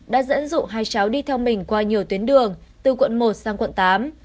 đã dẫn dụ hai cháu đi theo mình qua nhiều tuyến đường từ quận một sang quận tám